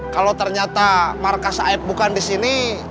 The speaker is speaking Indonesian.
kalo ternyata markas saeb bukan disini